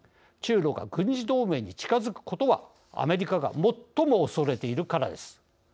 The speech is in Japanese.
中ロが軍事同盟に近づくことはアメリカが最もおそれているからです。